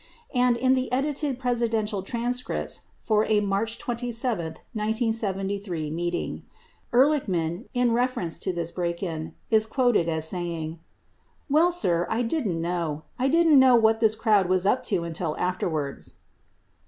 78 And, in the edited Presidential transcripts for a March 27, 1973 meeting, (p. 330) Ehr lichman, in reference to this break in, is quoted as saying, "Well, sir, I didn't know. I didn't know what this crowd was up to until after wards."